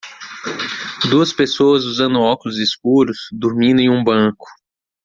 Duas pessoas usando óculos escuros, dormindo em um banco.